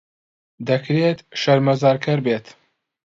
دەکرێت شەرمەزارکەر بێت.